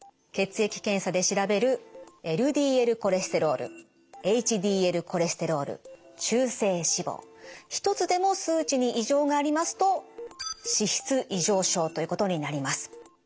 血液検査で調べるＬＤＬコレステロールＨＤＬコレステロール中性脂肪１つでも数値に異常がありますと脂質異常症ということになります。